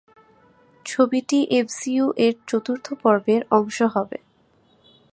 ছবিটি এমসিইউ-এর চতুর্থ পর্বের অংশ হবে।